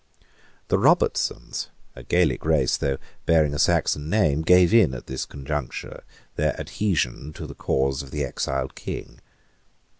The Robertsons, a Gaelic race, though bearing a Saxon name, gave in at this conjuncture their adhesion to the cause of the exiled king.